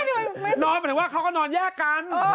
หมายถึงว่าเขาก็นอนแยกกัน